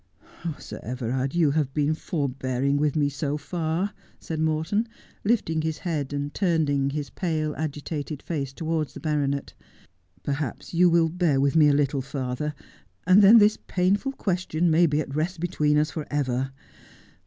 ' Sir Everard, you have been forbearing with me so far,' said Morton, lifting his head, and turning his pale, agitated face towards the baronet. ' Perhaps you will bear with me a little further, and then this painful question may be at rest between us for ever.